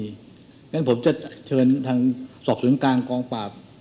เพราะฉะนั้นผมจะเชิญทางสอบศูนย์กลางกองปราบ